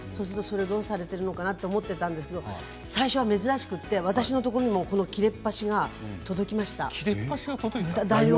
どうされているのかなと思っていたら、最初は珍しくて私のところにも、切れっ端が届きました。